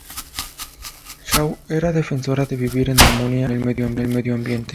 Shaw era defensora de vivir en armonía con el medio ambiente.